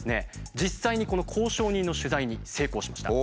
実際にこの交渉人の取材に成功しました。